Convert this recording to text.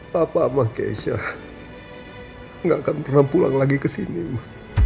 bapak sama keisha enggak akan pernah pulang lagi ke sini ma